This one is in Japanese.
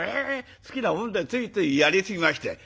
好きなもんでついついやり過ぎまして。